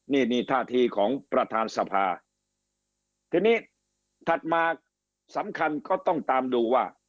นี่นี่ท่าทีของประธานสภาทีนี้ถัดมาสำคัญก็ต้องตามดูว่า